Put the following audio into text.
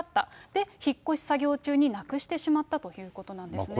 で、引っ越し作業中になくしてしまったということなんですね。